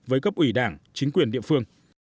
với cấp ủy đảng chính quyền địa phương